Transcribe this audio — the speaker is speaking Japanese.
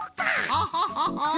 ハハハハ！